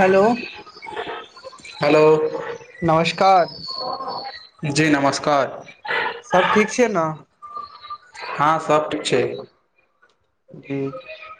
Hello hello नमस्कार जी नमस्कार सभ ठीक छीअइ न हां सब ठीक छैइ जी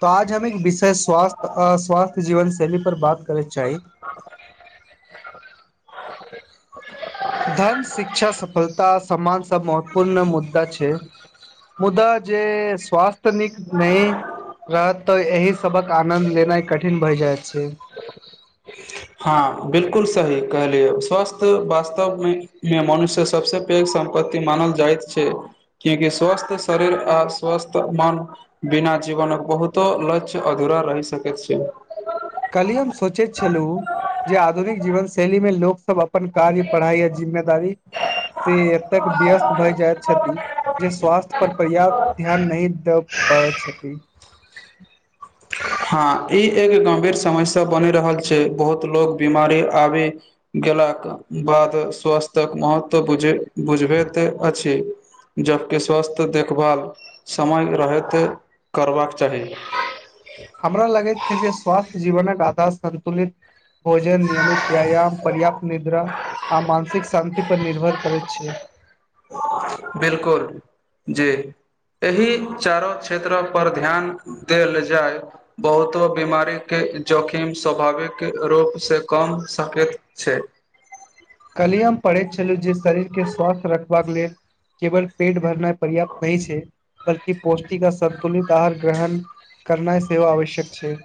त आज हम एक विषय स्वास्थ्य स्वास्थ्य जीवन शैली पर बात कर चाहि धन शिक्षा सफलता सम्मान सब महत्वपूर्ण मुद्दा छैक मुद्दा जे स्वास्थ्य नीक नय रहत तऽ एहि सभक आनन्द लेनाइ कठिन भए जाइत छैक। हां बिलकुल सही कहलियए स्वास्थ वास्तवमे मनुष्यक सबसँ पैघ सम्पत्ति मानल जाइत छैक क्यूंकि स्वस्थ शरीर आ स्वस्थ मन बिना जीवनक बहुतो लक्ष्य अधूरा रहि सकैत छैक काल्हि हम सोचैंत छलहुँ जे आधुनिक जीवन शैली मे लोकसब अपन कार्य पढ़ाई या जिम्मेदारी से एतेक व्यस्त भए जाइत छथि जे स्वास्थ्य पर पर्याप्त ध्यान नहि द पबैत छथि हां ई एक गंभीर समस्या बनि रहल छैक बहुत लोग बीमारी आबि केलाक बाद स्वास्थक महत्त्व बुझैत अछि जबकि स्वास्थ देखभाल समय रहिते करबाक चाही हमरा लगैत छैक जे स्वास्थ्य जीवनक आधार संन्तुलित भोजन नियमित व्यायाम पर्याप्त निंद्रा आ मानसिक शान्ति पर निर्भर करैत छैक बिलकुल जी एहि चारो क्षेत्रऽ पर ध्यान देल जाय बहुतो बीमारीकेँ जोखिम स्वाभाविक रूपसँ कम कय सकैत छै कली हम पढ़ैत छलहुँ जे शरीरके स्वस्थ रखबाक लेल केवल पेट भरनाइ पर्याप्त नै छैक बल्कि पौष्टिक आ संन्तुलित आहार ग्रहण करनाइ सेवा आवश्यक छैय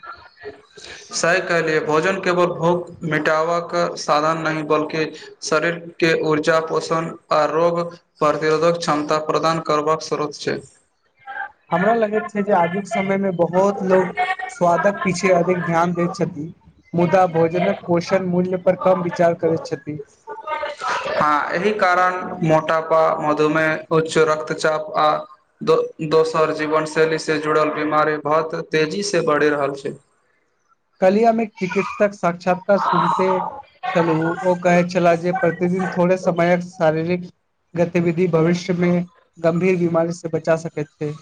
सही कहलियए भोजन केवल भूख मिटावक साधन नहि बल्कि शरीर केँ ऊर्जा पोषण आ रोग प्रतिरोधक क्षमता प्रदान करबाक स्रोत छैक [unintelligible] हमरा लगैत छैक जे आजुक समयमे बहुत लोक स्वादक पीछे अधिक ध्यान दैत छथिन मुदा भोजनक पोषण मूल्य पर कम विचार करैत छथि हँ एही कारण मोटापा मधुमेह उच्च रक्तचाप आ दो दोसर जीवन शैली से जुड़ल बीमारी बहुत तेजी से बढ़ि रहल छैक [inaudible] कल्हि हम एक चिकित्सक साक्षात्कार सुनते छलहु ओ कहैत छलाह जे प्रतिदिन थोड़े समय शारीरिक गतिविधि भविष्यमे गम्भीर बीमारी से बचा सकैत छैक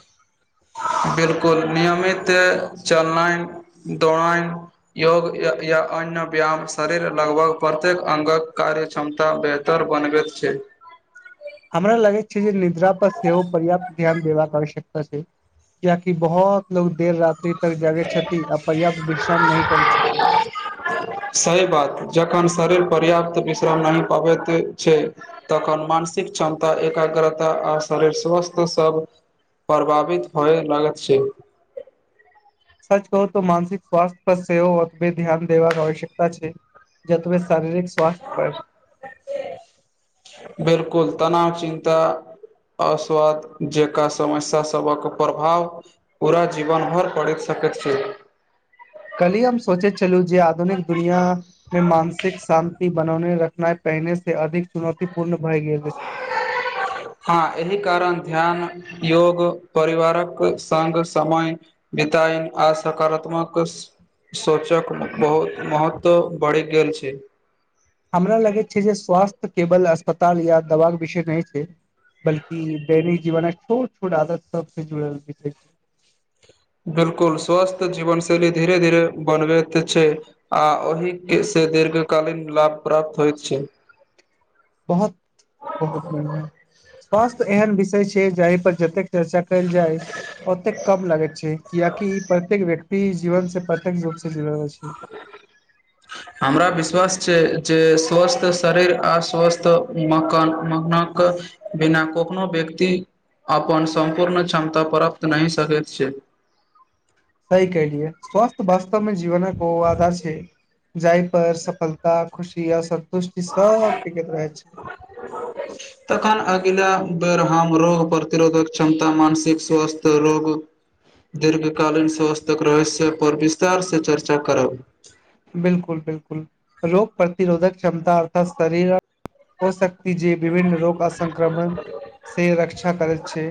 बिलकुल नियमित चलनाइ दौड़ाइ योग या अन्य व्यायाम शरीर लगभग प्रत्येक अंगक कार्य क्षमता बेहतर बनबैत छैक हमरा लागैत छै जे निद्रा पर सेहो पर्याप्त ध्यान देबाक आवश्यकता छैक। कियाकि बहुत लोग देर राति तक जागैत छथि आ पर्याप्त विश्राम नहि करैत छथि सही बात जखन शरीर पर्याप्त विश्राम नहि पाबैत छैय तखन मानसिक क्षमता एकाग्रता आ शरीर स्वस्थ सभ प्रभावित होए लगैत छैय सच कहू त मानसिक स्वास्थ्य पर सेहो ओतबे ध्यान देबाक आवश्यकता छैक जतबे शारीरिक स्वास्थ्य पर बिलकुल तनाव चिन्ता अस्वस्थ जेका समस्या सभक प्रभाव पूरा जीवन भर पड़ि सकैत सक छी [unintelligible] कल्हि हम सोचे छलू जे आधुनिक दुनियामे मानसिक शान्ति बनौने रखनाइ पहिने से अधिक चुनौती पूर्ण भए गेल अछि ह एहि कारण ध्यान योग परिवारक संग समय बितइल आ सकारात्मक सोचक बहुत महत्व बढ़ि गेल छैय हमरा लगैत छै जे स्वास्थ्य केवल अस्पताल या दबाक विषय नै छैय बल्कि दैनिक जीवनक छोट छोट आदत सबसँ जुड़ल विष छैय बिलकुल स्वस्थ जीवन शैली धीरे धीरे बनबैत छैय आ ओहि के से दीर्घकालीन लाभ प्राप्त हो छैय बहुत बहुत बढियां स्वास्थ एहन विषय छैय जे जाहि पर जतेक चर्चा कयल जाय ओतेक कम लागैत छैय कियाकि ई प्रत्येक व्यक्ति जीवन से प्रत्येक्ष रूप से जुड़ल अछि हमरा विश्वास छै जे स्वस्थ शरीर आ स्वस्थ मकान मनाक बिना को कखनो व्यक्ति अपन सम्पूर्ण क्षमता प्रप्त नहि सकैत छैय सही कहलिए स्वास्थ वास्तवमे जीवनक ओ आधार छैय जाइ पर सफलता खुशी यैह सब सन्तुष्टि सब टिकट रहै छैय तखन अगिला बेर हम रोग प्रतिरोधक क्षमता मानसिक स्वस्थ रोग दीर्घकालीन स्वास्थक रहस्य पर विस्तार से चर्चा करब बिलकुल बिलकुल रोग प्रतिरोधक क्षमता अर्थात शरीरक हो सकत व्यक्ति जे विभिन्न रोग आ संक्रमण से रक्षा करैत छै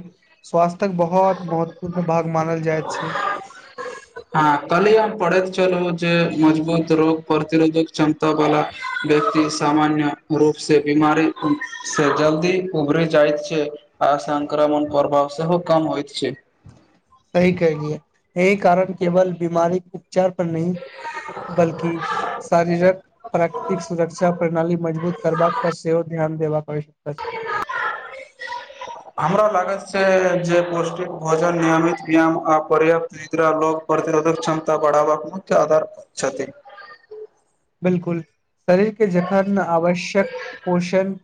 स्वास्थ्यक बहुत महत्वपूर्ण भाग मानल जाइत छै हँ कल्हि हम पढ़ैत छलौ जे मजबूत रोग प्रतिरोधक क्षमता बाला व्यक्ति सामान्य रूप से बीमारी से जल्दी उभरी जाइत छै आ संक्रमण प्रभाव सेहो कम होइत छै सही कलियै एहि कारण केवल बीमारी उपचार पर नहि बल्कि शारीरक प्राकृतिक सुरक्षा प्रणाली मजबूत करबाक पर सेहो ध्यान देबाक अछि हमरा लागल जे पौष्टिक भोजन नियमित व्यायाम आ पर्याप्त निद्रा लोग प्रतिरोधक क्षमता ब पढ़ाबा उच्च आधार पर छथिन बिलकुल शरीरके जखन आवश्यक पोषण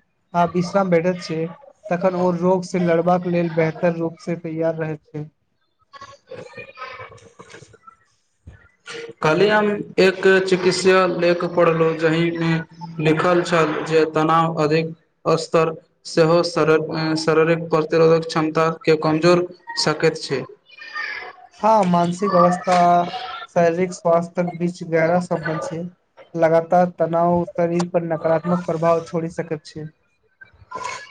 आ विश्राम भेठैत छैक तखन ओ रोग से लड़बाक लेल बेहतर रूप से तैयार रहि छै [unintelligible] कहलियेन हम एक चिकित्सा लेख पढ़लहु जाहिमे लिखल छल जे तनाव अधिक स्तर सेहो शर शारीरिक प्रतिरोधक क्षमता के कमजोर सकैत छै हँ मानसिक अवस्था आ शारीरिक स्वास्थक बीच गहरा संबन्ध छै लगातार तनाव शरीर पर नकाराात्मक प्रभाव छोइड़ सकैत छै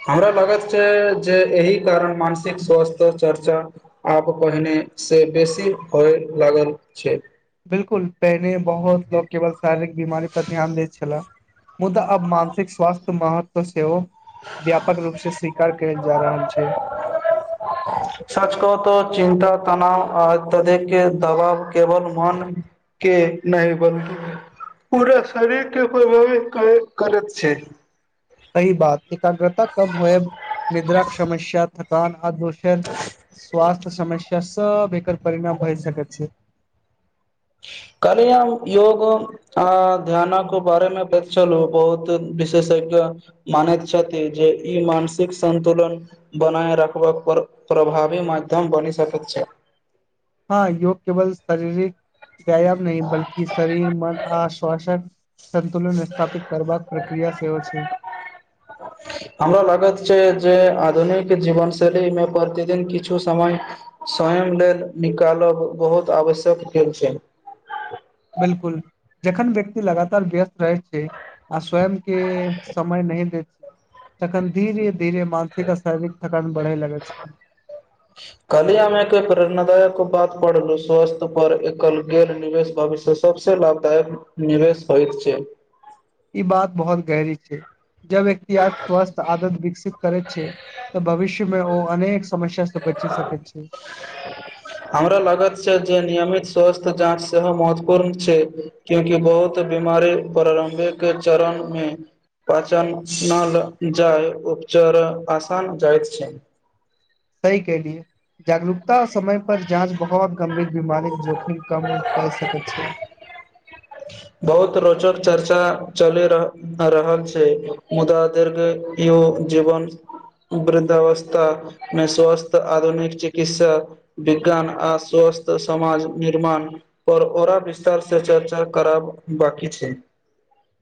हमरा लागैत छै जे एहि कारण मानसिक स्वास्थ्य चर्चा आब पहिने से बेसी होय लागल छै बिलकुल पहिने बहुत लोग केवल शारीरिक बीमारी पर ध्यान दैत छलाह मुदा आब मानसिक स्वास्थ्य महत्व सेहो व्यापक रूपसे सि कार्य करैत जा रहल छैय सच कहु तऽ चिन्ता तनाव आ ततेके दबाव केवल मन के नहि [unintelligible] पूरा शरीर के कोइ [unintelligible] करैत छै सही बात एकाग्रता कम होए निद्राक समस्या थकान दोसर स्वास्थ समस्या सब एकर परिणाम भए सकैत छै काइलिये हम योग आ ध्यानक बारे मे बताउलु बहुत विशेषज्ञ मानैत छथि जे ई मानसिक संतुलन बनाए रखबाक पर प्रभाव कभी माध्यम बनि सकैत छै हँ योग केवल शारीरिक व्यायाम नहि बल्कि शरीर मन आश्वासन सन्तुलन स्थापित करबाक प्रक्रिया सेहो छैक हमरा लागैत जे आधुनिक जीवन शैलीमे प्रतिदिन किछु समय स्वयं लेल निकालब बहुत आवश्यक कयल छैक बिलकुल जखन व्यक्ति लगातार व्यस्त रहय छै आ स्वयं के समय नहि देत तखन धीरे धीरे मानसिक आ शारीरिक थकान बढ़े लगै छै काल्हि हम एक प्रेरणादायक बात पढ़लहुँ स्वास्थ्य पर एकल गैर निवेश भविष्य सभसँ लाभदायक निवेश पर होइत छै ई बात बहुत गहरी छैक जब व्यक्ति अस्वस्थ आदत विकसित करैत छै तऽ भविष्य में ओ अनेक समस्या से बचि सकैत छै हमरा लागैत छै जे नियमित स्वस्थ जाँच सेहो महत्वपूर्ण छै कियाकि बहुत बीमारी प्रारंभिक चरण मे [unintelligible] पाचन नल जाइ उपचार आसान जाइत छै सही कलियै जागरूकता समय पर जाँच बहुत गंभीर बीमार जोखिम कम करि सकैत छैक बहुत रोचक चर्चा चलि रहल रहल छै मुदा दीर्घ यो जीवन वृद्धावस्थामे स्वस्थ्य आधुनिक चिकित्सा विज्ञान आ स्वस्थ समाज निर्माण पर औरा विस्तार से चर्चा करब बाकी छै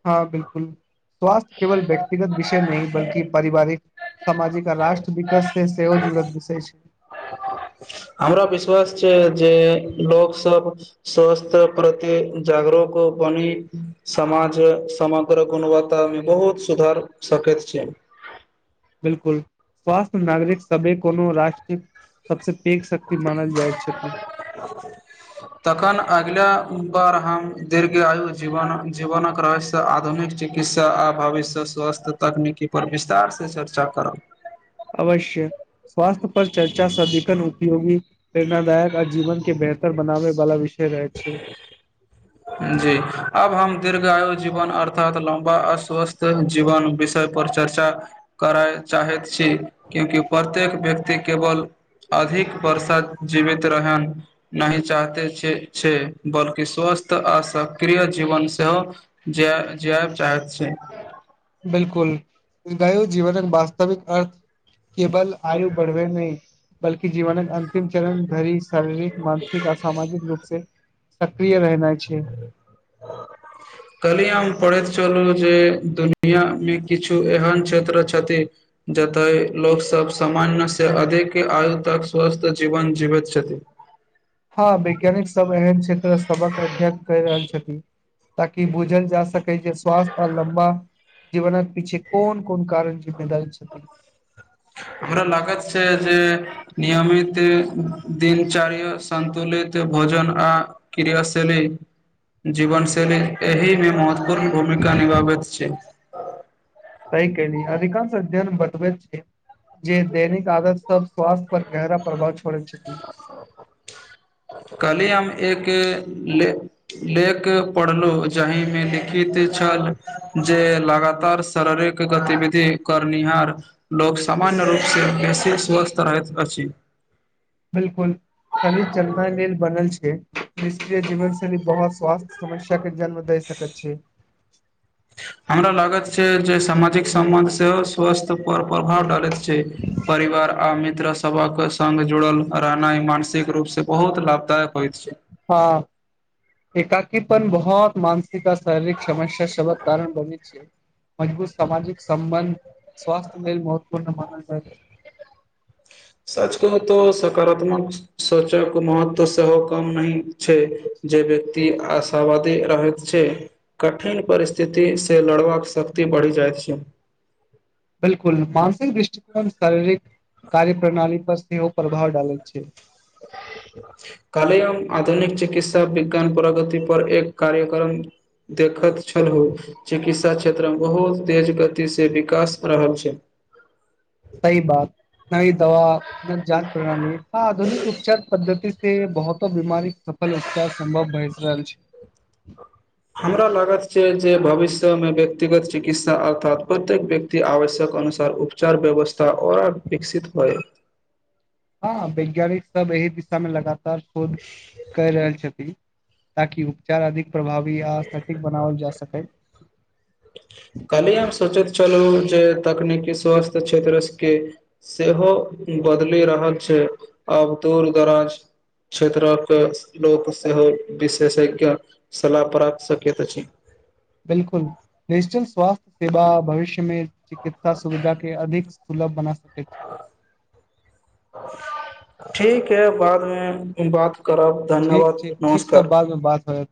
हँ बिल्कुल स्वास्थ्य केवल व्यक्तिगत विषय नहि बल्कि पारिवारिक सामाजिक आ राष्ट्र विकस से सेहो जुड़त विषय छै हमरा विश्वास छै जे लोक सब स्वास्थ प्रतिक जागरूक बनी समाज समग्र गुणवत्ता मे बहुत सुधार सकैत छैक बिल्कुल स्वास्थ नागरिक सबै कोनो राष्ट्र सबसँ एक शक्ति मानल जाइत छथि तखन अगिला बार हम दीर्घ आयु जीवनक रह्य आधुनिक चिकित्सा आ भविष्य स्वस्थ तकनीकी पर विस्तार से चर्चा करो अवश्य स्वास्थ्य पर चर्चा सदीखन उपयोगी प्रेरणादायक आ जीवन के बेहतर बनाबै बाला विषय रहैत छैक जी अब हम दीर्घायु जीवन अर्थात लम्बा अस्वस्थ जीवन विषय पर चर्चा करय चाहैत छी क्यूकि प्रत्येक व्यक्ति केवल अधिक वर्षा जीवित रहैन नहि चाहत छै बल्कि स्वस्थ त आ सक्रिय जीवन सेहो जाय चाहैत छी बिल्कुल दायु जीवनक वास्तविक अर्थ केवल आयु बढ़बे नहि बल्कि जीवनक अंतिम चरण धरि शारीरिक मानसिक आ सामाजिक रूप से [unintelligible] प्रिय रहना छै [unintelligible] कल्हि हम पढ़ैत चलू जे दुनिया मे किछु एहन क्षेत्र छथि जतए लोकसभ समान्यसँ अधिक आयु तक स्वस्थ जीवन जीवैत छथि हँ वैज्ञानिक सब एहन क्षेत्र सभक अध्ययन कर रहल छथि ताकि बूझल जा सकै जे स्वास्थ आ लम्बा जीवनक पीछे कोन कोन कारण जिम्मेदारी छथि हमरा लागत छैक जे नियमित दिन चारो संतुलन [unintelligible] भोजन आ क्रियाशैली जीवनशैली एहिमे महत्व पूर्ण भूमिका निभाबैत छैक सही कहली अधिकांश अध्यन बतबैत छै जे दैनिक आदर सब स्वास्थ्य पर गहरा प्रभाव च परन छथि [unintelligible] एके ले लेख पढ़लु जहिमे लिखित छल जे लगातार शारीरिक गतिविधि करनिहार लोक सामान्य रूप सं छी स्वस्थ रहैत अछि बिल्कुल शरीर चलनाई लेल बनल छैक निक जीवन शैली बहुत स्वास्थ समस्या के जन्म दै सकैत छैक हमरा लागत छैक जे सामाजिक संबंध सेहो स्वस्थ पर प्रभाव डालैत छैक परिवार आ मित्र सभक संग जुड़ल रहनाइ मानसिक रूप से बहुत लाभदायक होइत छैक हँ एकाकीपन बहुत मानसिक आ शरीरिक समस्या सबक कारण बनैत छैक मजबूत सामाजिक संबंध स्वास्थ्य लेल महत्वपूर्ण मानल छैक सच कहु त सकारात्मक सोचक महत्व सेहो कम नहि छैक जे वेयक आशावादी रहैत छै कठिन परिस्थिति से लड़बाक शक्ति बढ़ि जा जाइत छैक बिलकुल मानसिक दृष्टिकोण शारीरिक कार्य प्रणाली पर सेहो ओ प्रभाव डालैत छैय काल्हि हम आधुनिक चिकित्सा विज्ञान प्रगति पर एक कार्यक्रम देखैत छलहु चिकित्सा क्षेत्रमे बहुत तेज गतिसँ विकास रहल छै सही बात सही दवा न जान प्रणाली ह आधुनिक उपचार [unintelligible] पद्धति से बहुतो बीमारी सफल उपचार सम्भव भए रहल छै हमरा लागत छैक जे भविष्यमे व्यक्तिगत चिकित्सा अर्थात प्रत्येक व्यक्ति आवश्यक अनुसार उपचार व्यवस्था ओर विकसित होय हँ वैज्ञानिक सब एहि दिशा मे लगातार शोध क रहल छथिन ताकि उपचार अधिक प्रभावी आ सटीक बनावल जा सके काल्हि हम सोचैत छलहुँ जे तकनीकी स्वास्थ्य क्षेत्र के सेहो बदलि रहल छै आब दुर दराज क्षेत्रक लोक सेहो विशेषज्ञ सलाह प्राप्त सकैत अछि बिल्कुल डिजिटल स्वास्थ्य सेवा भविष्यमे चिकित्सा सुविधा के अधिक सुलब सब बना सकैत छै ठीक है बादमे बात करब ठीक धन्यवाद ठीक ठीक तब नमस्कार बाद मे बात होयत